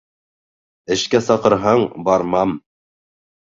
Эшкә саҡырһаң бармам